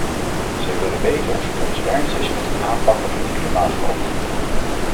Zij willen weten of het ons ernst is met het aanpakken van de klimaatverandering.